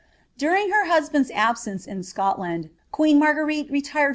During her husband's absence in Scotland, queen Marguerite retired ■ Folio ii.